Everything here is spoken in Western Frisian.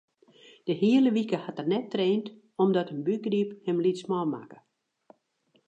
De hiele wike hat er net traind omdat in bûkgryp him lytsman makke.